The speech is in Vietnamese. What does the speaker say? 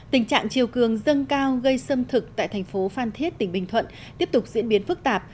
tình trạng chiều cường dâng cao gây xâm thực tại thành phố phan thiết tỉnh bình thuận tiếp tục diễn biến phức tạp